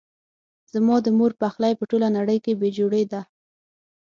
زما د مور پخلی په ټوله نړۍ کې بي جوړي ده